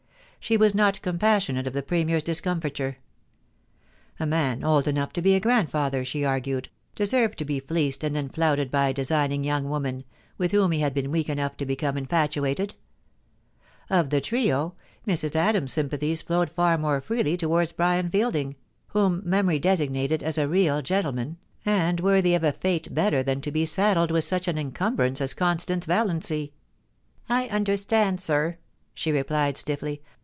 She was not com passionate of the Premier's discomfiture. A man old enough to be a grandfather, she argued, deserved to be fleeced and then flouted by a designing young woman, witii whom he had been weak enough to become infatuated (X the trio, Mrs. Adams's sympathies flowed far more fredy towards Brian Fielding, whom memory designated as a * real gentleman,' and worthy of a better fate than to be saddled with such an encumbrance as Constance Valiancy. * I understand, sir,' she replied stiffly.